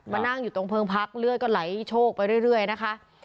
นั่งอยู่ตรงเพลิงพักเลือดก็ไหลโชคไปเรื่อยนะคะ